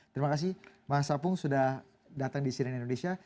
terima kasih mas apung sudah datang di siren indonesia